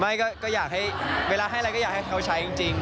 ไม่ก็อยากให้เวลาให้อะไรก็อยากให้เขาใช้จริง